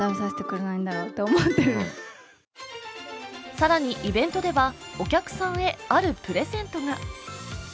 更に、イベントではお客さんへあるプレゼントが。